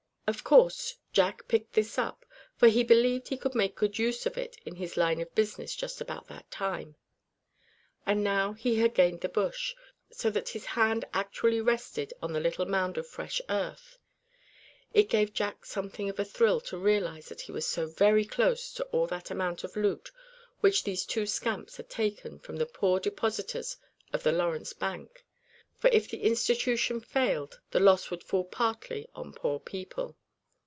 Of course Jack picked this up, for he believed he could make good use of it in his line of business just about that time. And now he had gained the bush, so that his hand actually rested on the little mound of fresh earth. It gave Jack something of thrill to realize that he was so very close to all that amount of loot which these two scamps had taken from the poor depositors of the Lawrence bank; for if the institution failed the loss would fall partly on poor people.